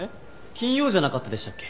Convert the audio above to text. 金曜じゃなかったでしたっけ？